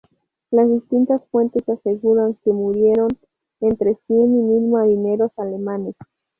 Las distintas fuentes aseguran que murieron entre cien y mil marineros alemanes.